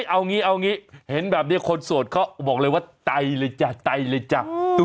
เอางี้เอางี้เห็นแบบนี้คนโสดเขาบอกเลยว่าไตเลยจ้ะไตเลยจ้ะ